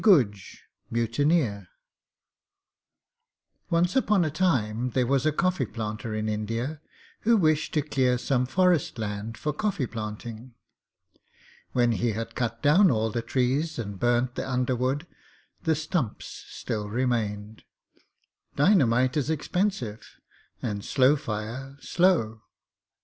MOTI GUJ MUTINEER Once upon a time there was a coffee planter in India who wished to clear some forest land for coffee planting. When he had cut down all the trees and burned the under wood the stumps still remained. Dynamite is expensive and slow fire slow.